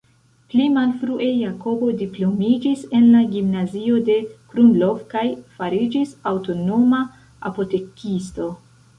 Pli malfrue Jakobo diplomiĝis en la Gimnazio de Krumlov kaj fariĝis aŭtonoma apotekisto.